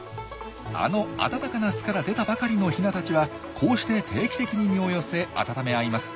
あの暖かな巣から出たばかりのヒナたちはこうして定期的に身を寄せ温め合います。